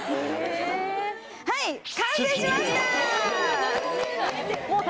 はい完成しました！